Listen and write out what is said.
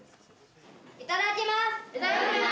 いただきます！